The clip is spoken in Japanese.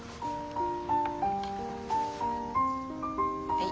はい。